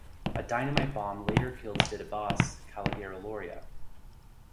A dynamite bomb later killed Stidda boss Calogero Lauria.